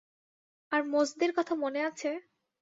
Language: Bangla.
আর মোজদের কথা মনে আছে?